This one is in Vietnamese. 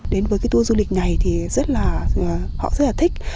đến với cái tour du lịch này thì họ rất là thích